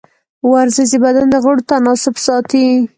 ورزش د بدن د غړو تناسب ساتي.